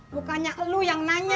bukannya elo yang nanya